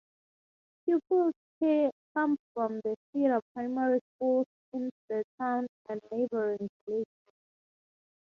Pupils come from the feeder primary schools in the town and neighbouring villages.